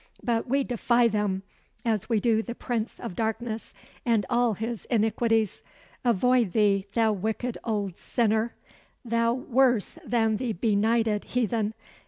"But we defy them, as we do the Prince of Darkness, and all his iniquities. Avoid thee, thou wicked old sinner! thou worse than the benighted heathen!